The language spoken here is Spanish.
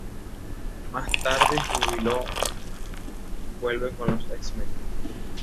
Más tarde, Júbilo vuelve con los X-Men.